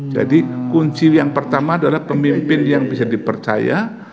jadi kunci yang pertama adalah pemimpin yang bisa dipercaya